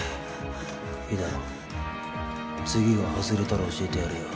いいだろう次が外れたら教えてやるよ。